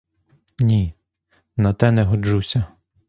Ні, на те не годжуся.